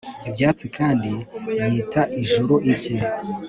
Ibyatsi kandi yita ijuru ibye